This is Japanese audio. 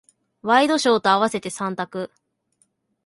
ワイドショーと合わせて三択。